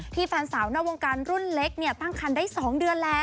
ที่แฟนสาวหน้าวงการรุ่นเล็กตั้งครรภ์ได้๒เดือนแล้ว